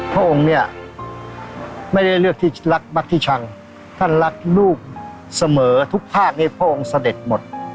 พระองค์เนี่ยไม่ได้เลือกที่รักมักที่ชังท่านรักลูกเสมอทุกภาคนี้พระองค์เสด็จหมด